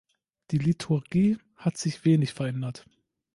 Die „Liturgie“ hat sich wenig verändert.